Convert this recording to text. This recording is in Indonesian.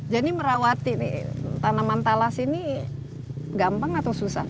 jadi merawati tanaman tales ini gampang atau susah